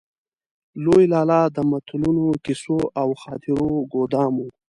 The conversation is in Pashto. لوی لالا د متلونو، کيسو او خاطرو ګودام و.